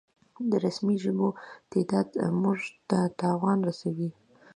د رسمي ژبو تعداد مونږ ته تاوان رسوي